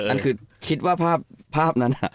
อันคือคิดว่าภาพนั้น